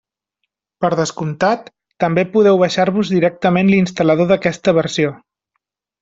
Per descomptat, també podeu baixar-vos directament l'instal·lador d'aquesta versió.